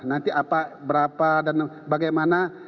nanti apa berapa dan bagaimana